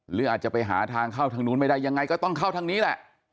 หรืออาจจะไปหาทางเข้าทางนู้นไม่ได้ยังไงก็ต้องเข้าทางนี้แหละ